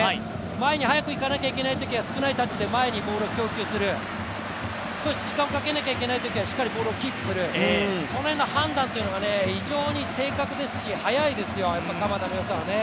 前に速く行かなきゃいけないときは少ないタッチで前にボールを供給する、少し時間をかけなきゃいけないときはしっかりボールをキープするその辺の判断が正確ですし、早いですよ、やっぱり鎌田の良さは。